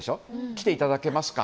来ていただけますか？